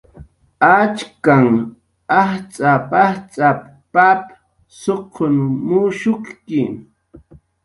"Achkanh ajtz'ap"" ajtz'ap"" pap suqn mushukki"